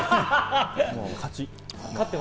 もう勝ち！